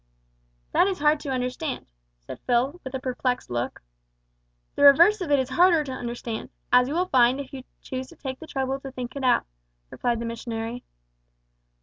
"That is hard to understand," said Phil, with a perplexed look. "The reverse of it is harder to understand, as you will find if you choose to take the trouble to think it out," replied the missionary.